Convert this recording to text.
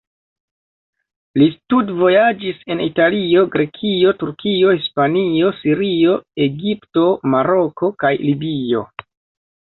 Li studvojaĝis en Italio, Grekio, Turkio, Hispanio, Sirio, Egipto, Maroko kaj Libio.